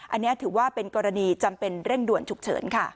อันนี้ถือว่าเป็นกรณีจำเป็นเร่งด่วนฉุกเฉินค่ะ